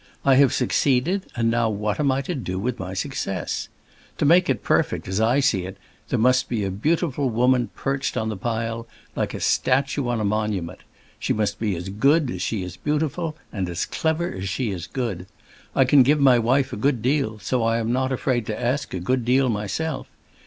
I have succeeded, and now what am I to do with my success? To make it perfect, as I see it, there must be a beautiful woman perched on the pile, like a statue on a monument. She must be as good as she is beautiful, and as clever as she is good. I can give my wife a good deal, so I am not afraid to ask a good deal myself.